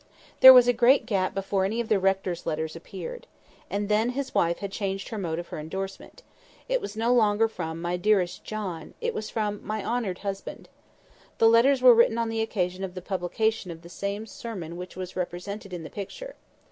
There was a great gap before any of the rector's letters appeared. And then his wife had changed her mode of her endorsement. It was no longer from, "My dearest John;" it was from "My Honoured Husband." The letters were written on occasion of the publication of the same sermon which was represented in the picture.